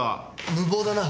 無謀だな。